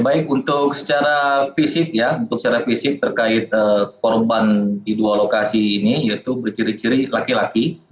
baik untuk secara fisik ya untuk secara fisik terkait korban di dua lokasi ini yaitu berciri ciri laki laki